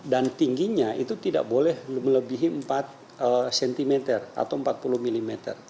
dan tingginya itu tidak boleh melebihi empat cm atau empat puluh mm